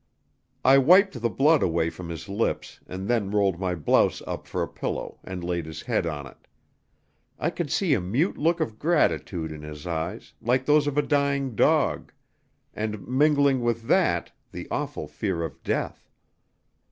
"I wiped the blood away from his lips and then rolled my blouse up for a pillow and laid his head on it. I could see a mute look of gratitude in his eyes, like those of a dying dog, and, mingling with that, the awful fear of death.